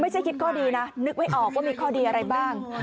คิดข้อดีนะนึกไม่ออกว่ามีข้อดีอะไรบ้าง